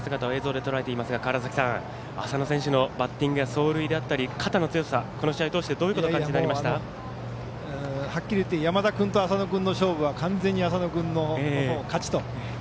浅野選手の映像をとらえていますが浅野選手のバッティング走塁であったり、肩の強さこの試合通してどういうことをお感じに浅野君と山田君の勝負は完全に浅野君の勝ちと。